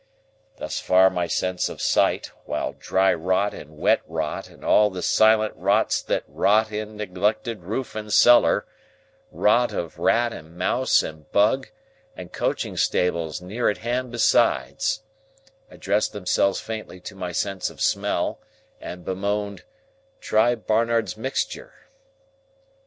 Thus far my sense of sight; while dry rot and wet rot and all the silent rots that rot in neglected roof and cellar,—rot of rat and mouse and bug and coaching stables near at hand besides—addressed themselves faintly to my sense of smell, and moaned, "Try Barnard's Mixture."